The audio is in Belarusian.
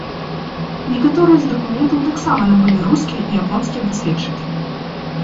Некаторыя з дакументаў таксама набылі рускія і японскія даследчыкі.